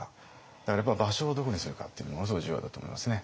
だからやっぱり場所をどこにするかっていうのはものすごい重要だと思いますね。